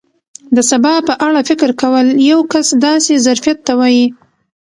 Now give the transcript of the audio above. د سبا په اړه فکر کول یو کس داسې ظرفیت ته وایي.